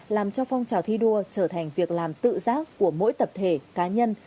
làm cho phong trào thi đua trở thành việc làm tự giác của mỗi tập thể cá nhân